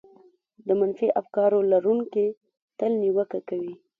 د منفي افکارو لرونکي تل نيوکه کوي.